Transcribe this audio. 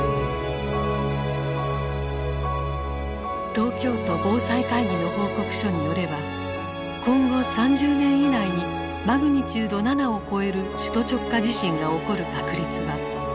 東京都防災会議の報告書によれば今後３０年以内にマグニチュード７を超える首都直下地震が起こる確率は７０％である。